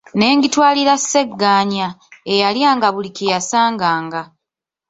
Ne ngitwalira Ssegaanya, eyalyanga buli kye yasanganga.